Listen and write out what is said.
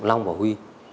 long và huy